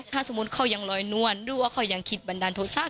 ถ้าสมมุติเขายังลอยนวลรู้ว่าเขายังคิดบันดาลโทษะ